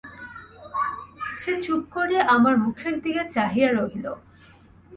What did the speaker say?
সে চুপ করিয়া আমার মুখের দিকে চাহিয়া রহিল।